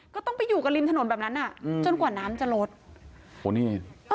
ก็ต้องไปอยู่กันริมถนนแบบนั้นอ่ะอืมจนกว่าน้ำจะลดโอ้นี่